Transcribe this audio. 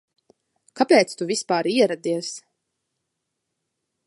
Kāpēc tu vispār ieradies?